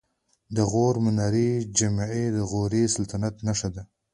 د غور منارې جمعې د غوري سلطنت نښه ده